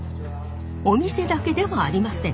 お店だけではありません。